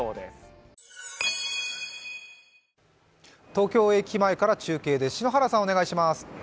東京駅前から中継です。